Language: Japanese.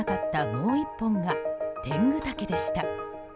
もう１本がテングタケでした。